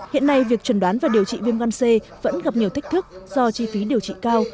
hiện nay việc trần đoán và điều trị viêm gan c vẫn gặp nhiều thách thức do chi phí điều trị cao